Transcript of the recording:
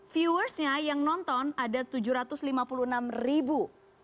viewersnya yang nonton ada tujuh ratus lima puluh enam ribu